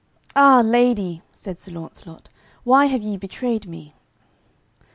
"Ah lady," said Sir Launcelot, "why have ye betrayed me?"